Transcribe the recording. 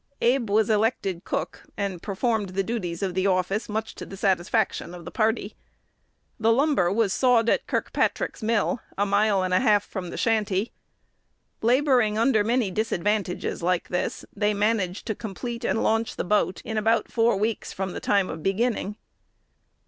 "Abe was elected cook," and performed the duties of the office much to the satisfaction of the party. The lumber was sawed at Kirkpatrick's mill, a mile and a half from the shanty. Laboring under many disadvantages like this, they managed to complete and launch the boat in about four weeks from the time of beginning.